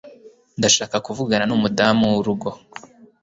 Ndashaka kuvugana numudamu wurugo